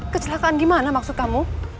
kecelakaan gimana maksud kamu